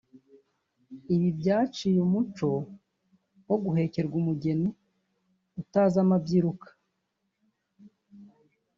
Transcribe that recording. Ibi byaciye umuco wo guhekerwa umugeni utazi amabyiruka